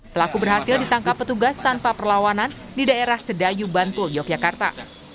pelaku berhasil ditangkap petugas tanpa perlawanan di daerah sedayu bantul yogyakarta